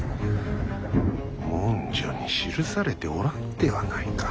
文書に記されておらぬではないか。